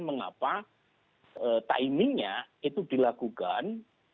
mengapa timingnya itu dilakukan